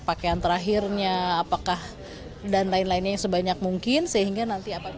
pakaian terakhirnya apakah dan lain lainnya yang sebanyak mungkin sehingga nanti akan